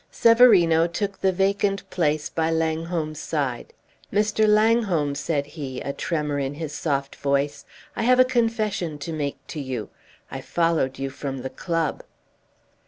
Severino took the vacant place by Langholm's side. "Mr. Langholm," said he, a tremor in his soft voice, "I have a confession to make to you. I followed you from the club!"